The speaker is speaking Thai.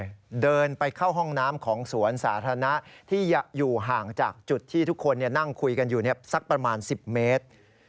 ก็เลยเดินไปเข้าห้องน้ำของสวนสาธารณะที่อยู่ห่างจากจุดที่ทุกคนนั่งคุยกันอยู่สักประมาณ๑๐เมตร